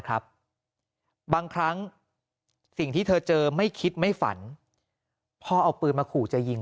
บางครั้งสิ่งที่เธอเจอไม่คิดไม่ฝันพ่อเอาปืนมาขู่จะยิง